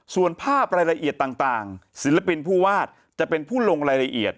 ส่วนภาพรายละเอียดต่างศิลปินผู้ว่าจะเป็นผู้ลงรายละเอียด